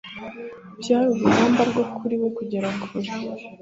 Byari urugamba rwose kuri we kugera kure.